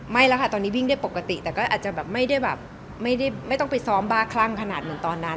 ไม่แล้วค่ะตอนนี้วิ่งได้ปกติแต่ก็อาจจะแบบไม่ได้แบบไม่ต้องไปซ้อมบ้าคลั่งขนาดเหมือนตอนนั้น